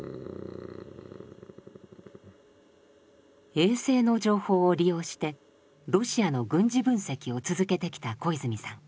衛星の情報を利用してロシアの軍事分析を続けてきた小泉さん。